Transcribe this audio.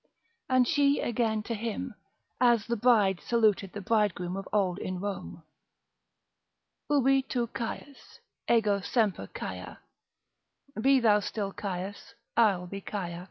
And she again to him, as the Bride saluted the Bridegroom of old in Rome, Ubi tu Caius, ego semper Caia, be thou still Caius, I'll be Caia.